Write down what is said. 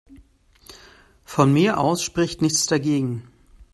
Von mir aus spricht nichts dagegen.